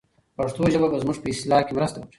پښتو ژبه به زموږ په اصلاح کې مرسته وکړي.